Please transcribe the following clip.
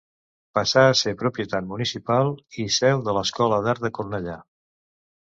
Passà a ser propietat municipal i seu de l'Escola d'Art de Cornellà.